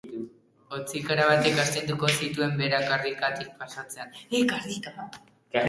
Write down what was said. Hotzikara batek astinduko zituen bera karrikatik pasatzean?